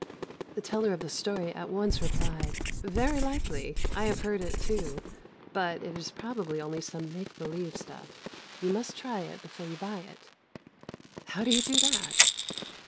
The teller of the story at once replied, "Very likely, I have heard it too; but it is probably only some make believe stuff. You must try it before you buy it." "How do you do that?"